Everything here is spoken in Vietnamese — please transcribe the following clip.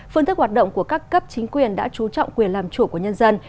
phương thức hoạt động của các cấp chính quyền đã trú trọng quyền làm chủ của nhân dân